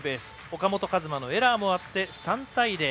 岡本和真のエラーもあって３対０。